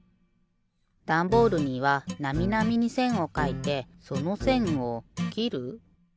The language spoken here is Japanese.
ダンボールにはなみなみにせんをかいてそのせんをきる。